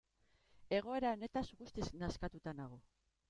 Egoera honetaz guztiz nazkatuta nago.